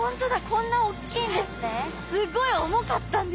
こんなおっきいんですね。